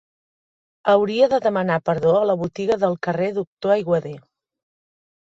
Hauria de demanar perdó a la botiga del carrer Doctor Aiguader.